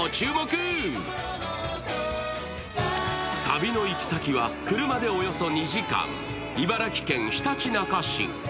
旅の行き先は車でおよそ２時間、茨城県ひたちなか市。